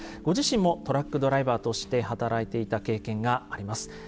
ご自身もトラックドライバーとして働いていた経験があります。